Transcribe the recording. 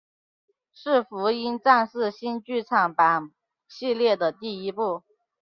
是福音战士新剧场版系列的第一部。